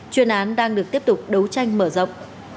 chuyên án đang được tiếp tục đấu tranh mở rộng